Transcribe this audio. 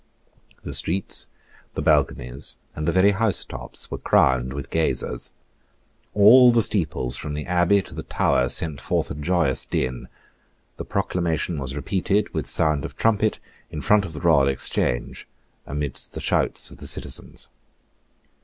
The streets, the balconies, and the very housetops were crowded with gazers. All the steeples from the Abbey to the Tower sent forth a joyous din. The proclamation was repeated, with sound of trumpet, in front of the Royal Exchange, amidst the shouts of the citizens.